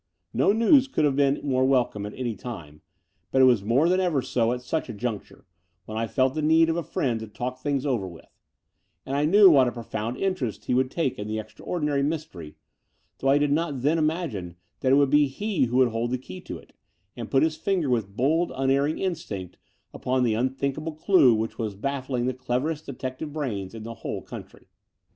No news could have been more welcome at any time, but it was more than ever so at such a juncture, when I felt the need of a friend to talk things over with; and I knew what a profound interest he would take in the extraordinary mystery, though I did not then imagine that it would be he who would hold the key to it, and put his finger with bold, xmerring instinct upon the xmthinkable clue which was baffling the cleverest detective brains in the whole country.